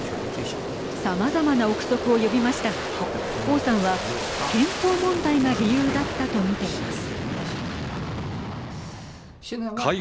さまざまな臆測を呼びましたが王さんは健康問題が理由だったと見ています。